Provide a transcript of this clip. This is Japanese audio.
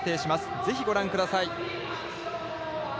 ぜひご覧ください。